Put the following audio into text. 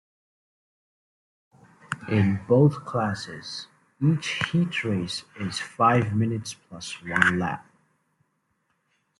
In both classes, each heat race is five minutes plus one lap.